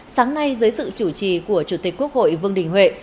sáng nay dưới sự chủ trì của chủ tịch quốc hội vương đình huệ